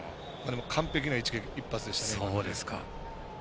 完璧な一発でしたね。